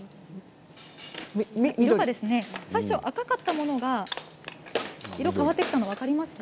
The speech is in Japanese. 最初は赤かったものが色が変わってきたのが分かりますか？